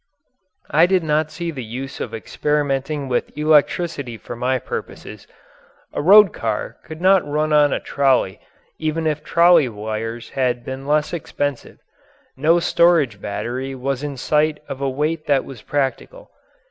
I did not see the use of experimenting with electricity for my purposes. A road car could not run on a trolley even if trolley wires had been less expensive; no storage battery was in sight of a weight that was practical.